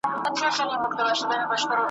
يا به څوك وي چا وهلي يا وژلي ,